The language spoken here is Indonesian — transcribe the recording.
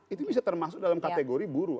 itu bisa termasuk dalam kategori buruh